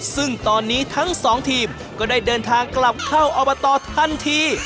ซึ่งตอนนี้ทั้งสองทีมก็ได้เดินทางกลับเข้าอบตทันที